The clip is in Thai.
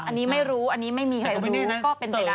อันนี้ไม่รู้อันนี้ไม่มีใครรู้ก็เป็นไปได้